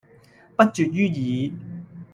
不絕於耳